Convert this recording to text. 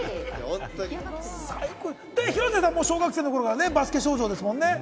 広瀬さんも小学生の頃はバスケ少女ですもんね？